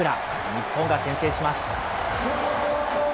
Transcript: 日本が先制します。